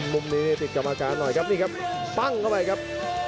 มุมนี้ติดกับอาการหน่อยครับตั้งเข้าไปครับ